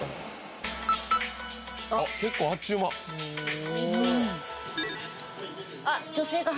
あっ結構あっちゅう間！